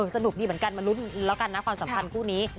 สนุกดีเหมือนกันมาลุ้นแล้วกันนะความสัมพันธ์คู่นี้